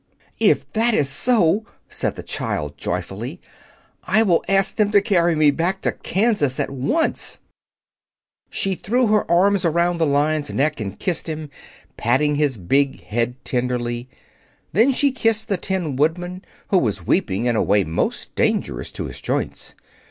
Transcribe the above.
"If that is so," said the child joyfully, "I will ask them to carry me back to Kansas at once." She threw her arms around the Lion's neck and kissed him, patting his big head tenderly. Then she kissed the Tin Woodman, who was weeping in a way most dangerous to his joints.